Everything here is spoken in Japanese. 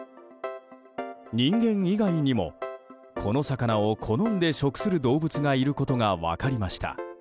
人間以外にもこの魚を好んで食する動物がいることが分かりました。